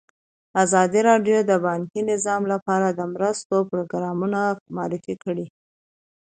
ازادي راډیو د بانکي نظام لپاره د مرستو پروګرامونه معرفي کړي.